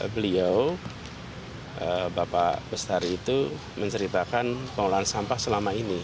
beliau bapak bestari itu menceritakan pengelolaan sampah selama ini